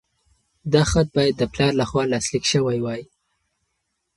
دا خط باید د پلار لخوا لاسلیک شوی وای.